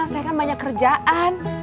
saya kan banyak kerjaan